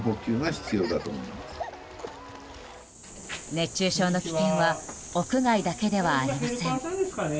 熱中症の危険は屋外だけではありません。